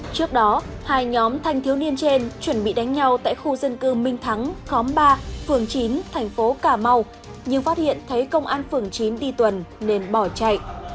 trước đó hai nhóm thanh thiếu niên trên chuẩn bị đánh nhau tại khu dân cư minh thắng khóm ba phường chín thành phố cà mau nhưng phát hiện thấy công an phường chín đi tuần nên bỏ chạy